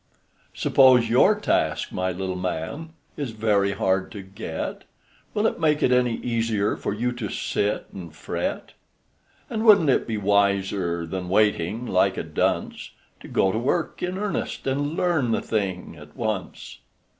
Suppose your task, my little man, Is very hard to get, Will it make it any easier For you to sit and fret? And wouldn't it be wiser Than waiting, like a dunce, To go to work in earnest And learn the thing at once?